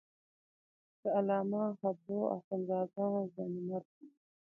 د علامه حبو اخند زاده ځوانیمرګ و.